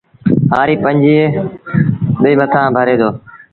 هآريٚ ٻج ٻئيٚ مٿآ ڀري دو